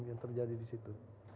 yang terjadi disitu